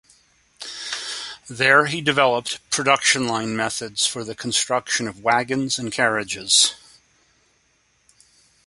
There he developed production line methods for the construction of wagons and carriages.